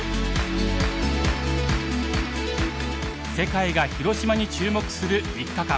世界が広島に注目する３日間。